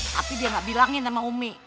tapi dia nggak bilangin sama umi